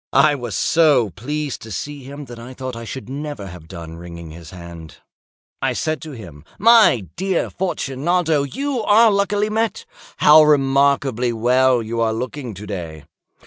I was so pleased to see him, that I thought I should never have done wringing his hand. I said to him—"My dear Fortunato, you are luckily met. How remarkably well you are looking to day!